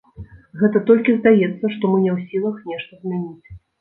Гэта толькі здаецца, што мы не ў сілах нешта змяніць.